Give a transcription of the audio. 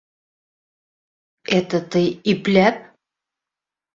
Это ты «ипләп»!